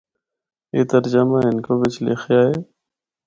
اے ترجمہ ہندکو بچ لخیا اے۔